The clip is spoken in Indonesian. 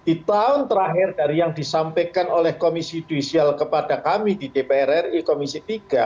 di tahun terakhir dari yang disampaikan oleh komisi judisial kepada kami di dpr ri komisi tiga